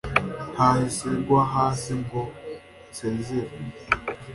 nahise ngwa hasi ngo nsezere